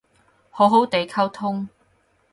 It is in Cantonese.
好好哋溝通